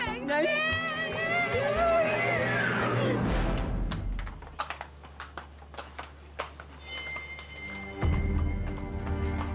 nyiipa di sini kang